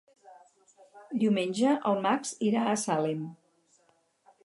Diumenge en Max irà a Salem.